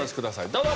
どうぞ！